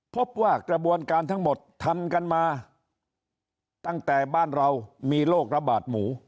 พบว่ากระบวนการทั้งหมดทำกันมาตั้งแต่บ้านเรามีโรคระบาดหมู